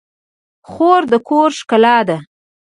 خور د کور ښکلا ده.